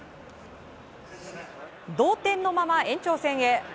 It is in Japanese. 同点のまま延長戦へ。